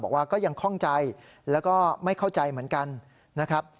บอกว่าก็ยังคล่องใจแล้วก็ไม่เข้าใจเหมือนกันนะครับ